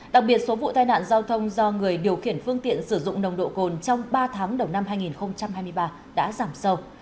đặc biệt số vụ tai nạn giao thông do người điều khiển phương tiện sử dụng nồng độ cồn trong ba tháng đầu năm hai nghìn hai mươi ba đã giảm sâu